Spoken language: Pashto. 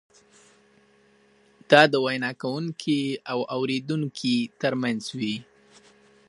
دا د وینا کوونکي او اورېدونکي ترمنځ وي.